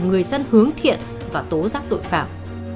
người dân hướng thiện và tố giác đội phạm